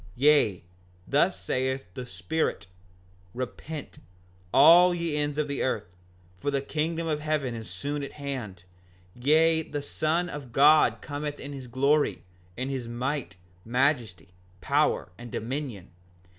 5:50 Yea, thus saith the Spirit: Repent, all ye ends of the earth, for the kingdom of heaven is soon at hand; yea, the Son of God cometh in his glory, in his might, majesty, power, and dominion.